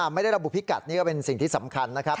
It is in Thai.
ไม่ได้ระบุพิกัดนี่ก็เป็นสิ่งที่สำคัญนะครับ